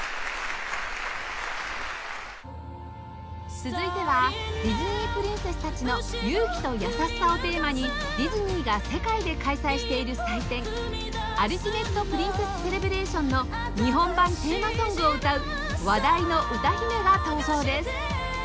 続いてはディズニープリンセスたちの勇気と優しさをテーマにディズニーが世界で開催している祭典「ＵｌｔｉｍａｔｅＰｒｉｎｃｅｓｓＣｅｌｅｂｒａｔｉｏｎ」の日本版テーマソングを歌う話題の歌姫が登場です